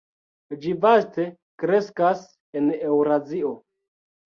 Ĝi vaste kreskas en Eŭrazio.